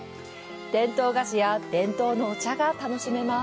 伝統菓子や伝統のお茶が楽しめます。